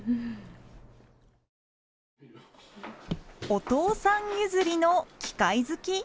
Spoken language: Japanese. お父さん譲りの機械好き？